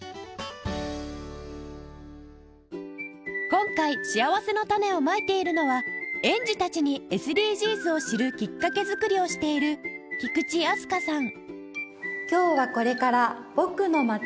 今回しあわせのたねをまいているのは園児たちに ＳＤＧｓ を知るきっかけ作りをしている菊池飛鳥さん